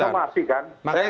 saya mau informasi kan